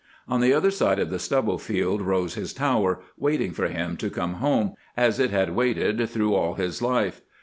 On the other side of the stubble field rose his tower, waiting for him to come home, as it had waited through all his life.